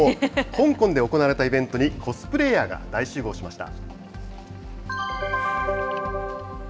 香港で行われたイベントにコスプレイヤーが大集合しました。